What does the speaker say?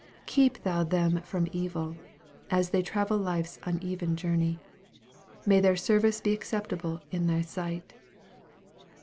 Keep Thou them from evil, as they travel life's uneven journey. May their service be acceptable in thy sight."